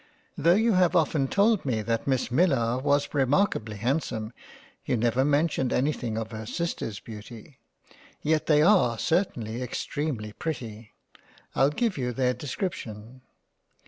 Though you have often told me that Miss Millar was remarkably handsome, you never mentioned anything of her Sisters' beauty; yet they are certainly extremely pretty. I'll give you their description.